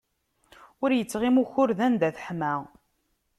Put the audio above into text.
Ur ittɣimi ukured anda teḥma.